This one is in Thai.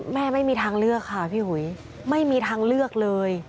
ไม่มีทางเลือกค่ะพี่หุยไม่มีทางเลือกเลย